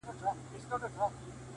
• دلته برېتورو له مردیه لاس پرېولی دی,